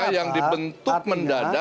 jadi artinya apa